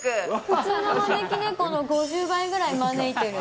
普通の招き猫の５０倍ぐらい招いてる。